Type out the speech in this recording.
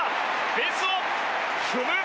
ベースを踏む！